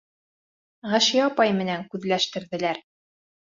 Ғәшиә апай менән күҙләштерҙеләр.